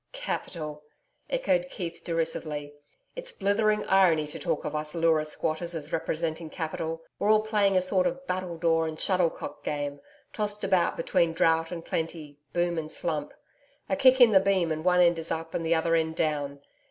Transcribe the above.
'Capital!' echoed McKeith derisively. 'It's blithering irony to talk of us Leura squatters as representing capital. We're all playing a sort of battledore and shuttlecock game tossed about between drought and plenty boom and slump. A kick in the beam and one end is up and the other end down.